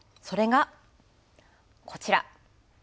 それが、こちら。